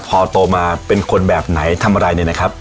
พอโตมาเป็นคนแบบไหนทำอะไรเนี่ยนะครับ